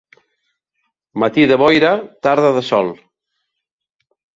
Matí de boira, tarda de sol.